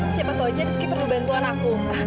siapa tuh aja rizky perlu bantuan aku